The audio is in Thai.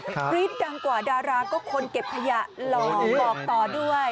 กรี๊ดดังกว่าดาราก็คนเก็บขยะหล่อบอกต่อด้วย